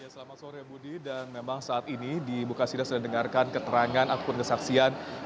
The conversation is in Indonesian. selamat sore budi dan memang saat ini di bukasida saya dengarkan keterangan akun kesaksian